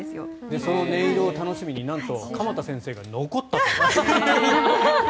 その音色を楽しみになんと鎌田先生が残ったという。